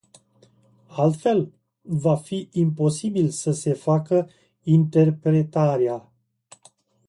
Altfel, va fi imposibil să se facă interpretarea.